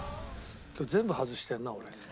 今日全部外してるな俺。